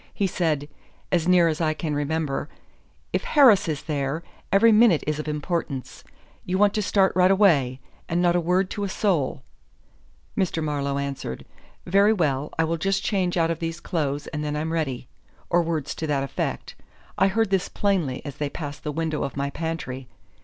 He said, as near as I can remember: 'If Harris is there, every minute is of importance. You want to start right away. And not a word to a soul.' Mr. Marlowe answered: 'Very well. I will just change out of these clothes and then I'm ready' or words to that effect. I heard this plainly as they passed the window of my pantry.